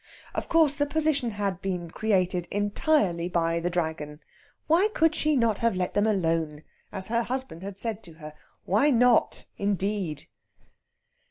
Of course, the position had been created entirely by the Dragon. Why could she not have let them alone, as her husband had said to her? Why not, indeed?